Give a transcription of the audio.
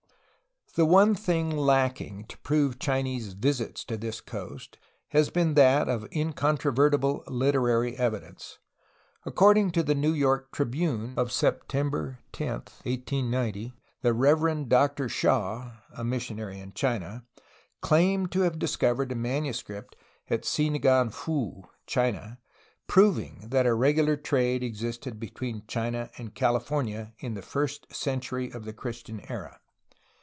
The one thing lacking to prove Chinese visits to this coast has been that of incontrovertible literary evidence. Accord ing to the New York Tribune of September 10, 1890, the Reverend Doctor Shaw (a missionary in China) claimed to have discovered a manuscript at Si Ngan Foo, China, prov ing that a regular trade existed between China and Califor nia in the first century of the Christian era.